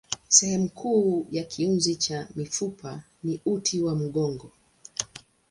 Sehemu kuu ya kiunzi cha mifupa ni uti wa mgongo.